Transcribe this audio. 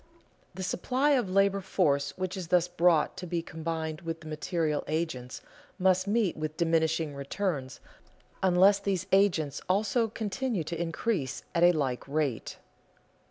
The supply of labor force which is thus brought to be combined with the material agents must meet with diminishing returns unless these agents also continue to increase at a like rate.